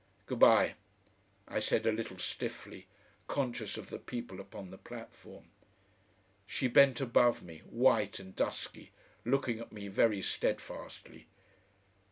"Good bye," I said a little stiffly, conscious of the people upon the platform. She bent above me, white and dusky, looking at me very steadfastly.